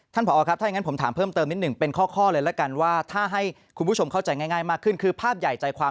ผอครับถ้าอย่างนั้นผมถามเพิ่มเติมนิดหนึ่งเป็นข้อเลยละกันว่าถ้าให้คุณผู้ชมเข้าใจง่ายมากขึ้นคือภาพใหญ่ใจความ